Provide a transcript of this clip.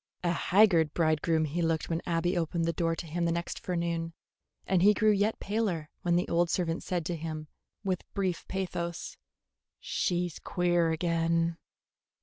A haggard bridegroom he looked when Abby opened the door to him the next forenoon, and he grew yet paler when the old servant said to him, with brief pathos, "She 's queer again."